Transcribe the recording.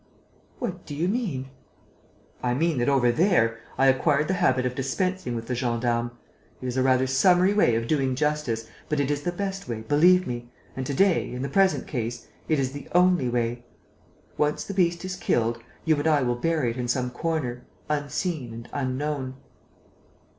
"What do you mean?" "I mean that, over there, I acquired the habit of dispensing with the gendarmes. It is a rather summary way of doing justice, but it is the best way, believe me, and to day, in the present case, it is the only way. Once the beast is killed, you and I will bury it in some corner, unseen and unknown."